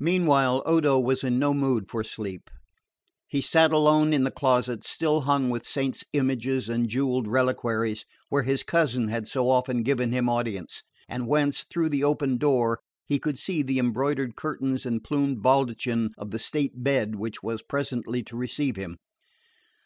Meanwhile Odo was in no mood for sleep. He sat alone in the closet, still hung with saints' images and jewelled reliquaries, where his cousin had so often given him audience, and whence, through the open door, he could see the embroidered curtains and plumed baldachin of the state bed which was presently to receive him.